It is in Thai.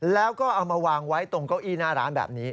แล้วก็เอามาวางไว้ตรงเก้าอี้หน้าร้านแบบนี้